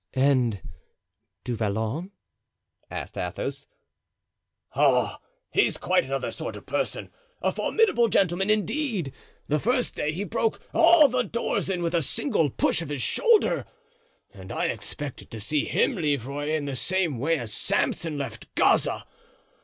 "And Du Vallon?" asked Athos. "Ah, he's quite another sort of person—a formidable gentleman, indeed. The first day he broke all the doors in with a single push of his shoulder; and I expected to see him leave Rueil in the same way as Samson left Gaza.